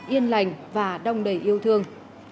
yên lành và đông đầy yêu thương